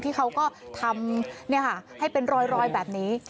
เขาก็ทำให้เป็นรอยแบบนี้